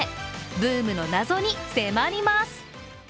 ブームの謎に迫ります。